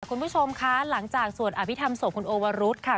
คุณผู้ชมคะหลังจากสวดอภิษฐรรศพคุณโอวรุษค่ะ